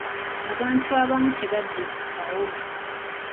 Abantu abamu tebaddizikawo.